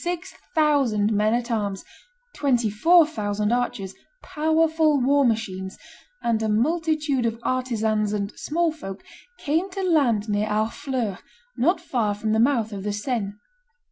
six thousand men at arms, twenty four thousand archers, powerful war machines, and a multitude of artisans and "small folk," came to land near Harfleur, not far from the mouth of the Seine.